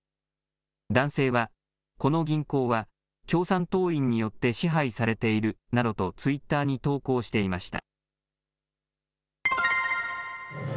男性はこの銀行は共産党員によって支配されているなどとツイッターに投稿していました。